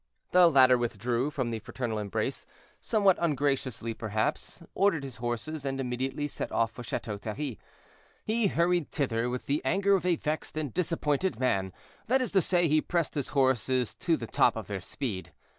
The latter withdrew from the fraternal embrace, somewhat ungraciously, perhaps, ordered his horses, and immediately set off for Chateau Thierry. He hurried thither with the anger of a vexed and disappointed man; that is to say, he pressed his horses to the top of their speed.